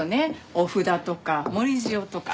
お札とか盛り塩とか。